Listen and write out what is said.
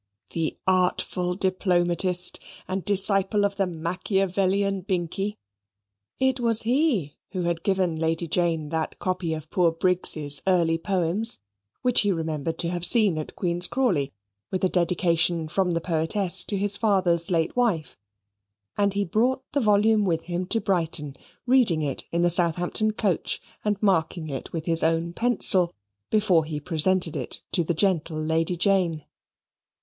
The artful diplomatist and disciple of the Machiavellian Binkie! It was he who had given Lady Jane that copy of poor Briggs's early poems, which he remembered to have seen at Queen's Crawley, with a dedication from the poetess to his father's late wife; and he brought the volume with him to Brighton, reading it in the Southampton coach and marking it with his own pencil, before he presented it to the gentle Lady Jane.